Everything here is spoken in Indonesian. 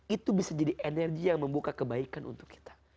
itu bisa jadi energi yang membuka kebaikan untuk kita